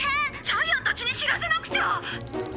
ジャイアンたちに知らせなくちゃ。